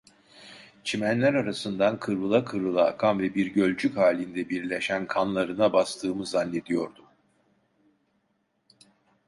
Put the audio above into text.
Çimenler arasından kıvrıla kıvrıla akan ve bir gölcük halinde birleşen kanlarına bastığımı zannediyordum.